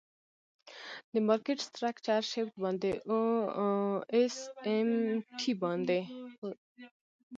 د مارکیټ سټرکچر شفټ باندی او آس آم ټی باندی.